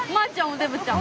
おデブちゃん。